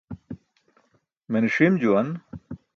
Mene ṣim juwan.